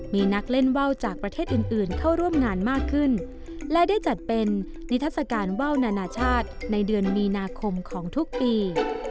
มีนักเล่นว่าวจากประเทศอื่นอื่นเข้าร่วมงานมากขึ้นและได้จัดเป็นนิทัศกาลว่าวนานาชาติในเดือนมีนาคมของทุกปี